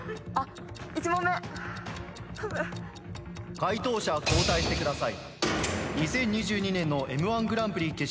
解答者交代してください。